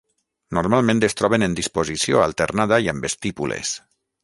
Normalment es troben en disposició alternada i amb estípules.